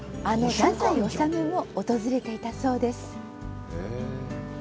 あの太宰治も訪れていたそうです。